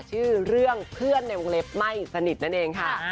ชื่อเรื่องเพื่อนในวงเล็บไม่สนิทนั่นเองค่ะ